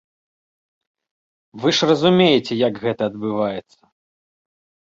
Вы ж разумееце, як гэта адбываецца.